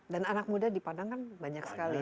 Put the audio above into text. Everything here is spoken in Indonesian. dan anak muda di padang kan banyak sekali ya